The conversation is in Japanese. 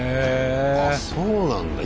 あそうなんだ。